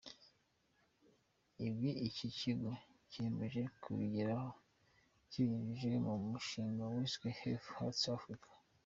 Ibi iki kigo cyiyemeje kubigeraho kibinyujije mu mushinga wiswe Healthy heart Africa.